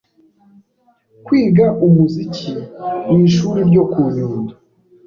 kwiga umuziki mu ishuri ryo ku Nyundo